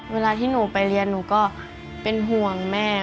เวลาที่หนูไปเรียนหนูก็เป็นห่วงแม่